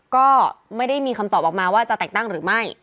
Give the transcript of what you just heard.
ก็ไม่ได้มีคำตอบออกมาว่าจะแต่งตั้งหรือไม่